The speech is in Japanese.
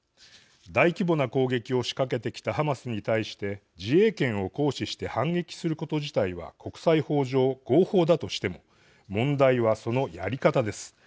大規模な攻撃を仕掛けてきたハマスに対して自衛権を行使して反撃すること自体は国際法上、合法だとしても問題は、そのやり方です。